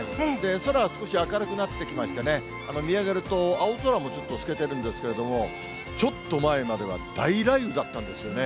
空は少し明るくなってきましてね、見上げると、青空もちょっと透けてるんですけれども、ちょっと前までは大雷雨だったんですよね。